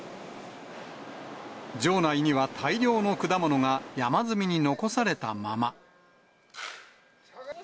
場内には、大量の果物が山積みに残されたまま。